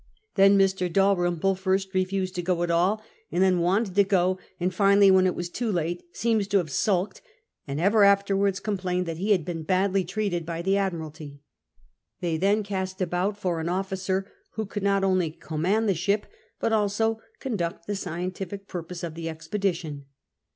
Then Mr. Dalrymplo first refused to go at all, and theii wanted to go ; and finally, when it was too late, seems to have sulked, and ever afterwards complained that lie had been badly treated by the Admiralty. They then cast about for an officer who could not only command the ship but also conduct the scientific piirjiose of the expedition.